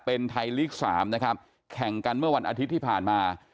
เป็นไทยลีกสามนะครับแข่งกันเมื่อวันอาทิตย์ที่ผ่านมา